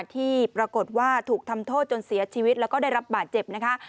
ที่ปรากฏว่าถูกทำโทษจนเสียชีวิตแล้วก็ได้รับบาดเจ็บนะคะ